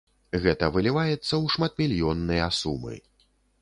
Гэта выліваецца ў шматмільённыя сумы.